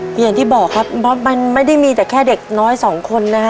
อย่างที่บอกครับบ๊อบมันไม่ได้มีแต่แค่เด็กน้อยสองคนนะฮะ